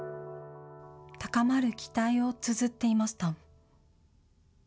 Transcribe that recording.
高まる期待をつづっていました。